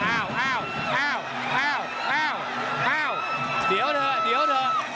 อ้าวอ้าวอ้าวอ้าวเดี๋ยวเถอะเดี๋ยวเถอะ